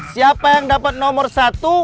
siapa yang dapat nomor satu